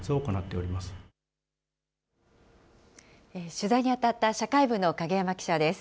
取材に当たった社会部の影山記者です。